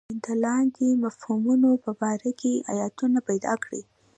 د لاندې مفهومونو په باره کې ایتونه پیدا کړئ.